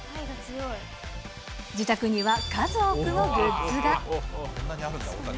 自宅には数多くのグッズが。